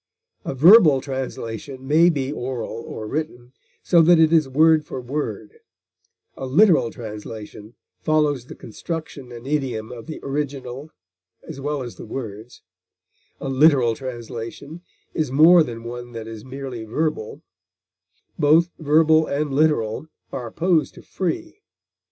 A verbal translation may be oral or written, so that it is word for word; a literal translation follows the construction and idiom of the original as well as the words; a literal translation is more than one that is merely verbal; both verbal and literal are opposed to free.